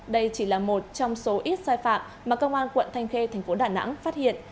đây chỉ là một trong số ít sai phạm mà công an quận thanh khê thành phố đà nẵng phát hiện